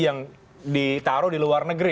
yang ditaruh di luar negeri